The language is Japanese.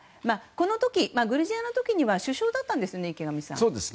この時、グルジアの時は首相だったんですね。